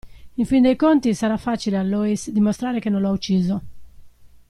In fin dei conti, sarà facile a Loïs dimostrare che non lo ha ucciso.